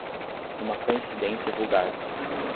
Uma coincidência vulgar